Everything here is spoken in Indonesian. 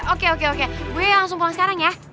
oke oke oke gue langsung pulang sekarang ya